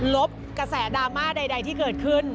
ลบกระแสดราม่าใดที่เกิดขึ้น